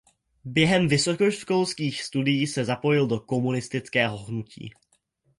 Během vysokoškolských studií se zapojil do komunistického hnutí.